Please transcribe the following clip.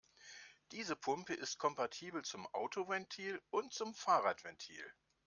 Diese Pumpe ist kompatibel zum Autoventil und zum Fahrradventil.